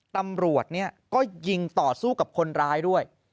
ตำรวจก็ยิงต่อสู้กับคนร้ายด้วย